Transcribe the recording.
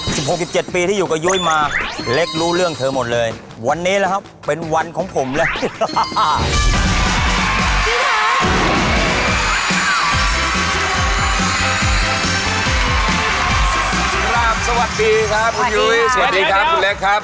สวัสดีครับคุณยุ้ยสวัสดีครับคุณเล็กครับ